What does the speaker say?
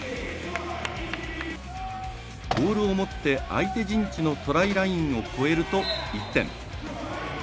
ボールを持って相手陣地のトライラインを越えると１点。